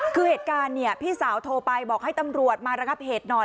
คือเหตุการณ์เนี่ยพี่สาวโทรไปบอกให้ตำรวจมาระงับเหตุหน่อย